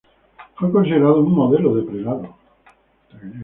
Fue considerado un modelo de prelado.